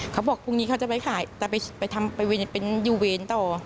เขาบอกพรุ่งนี้เขาจะไปขายแต่ไปเป็นยูเวนต่อ